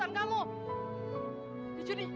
aku tuh capek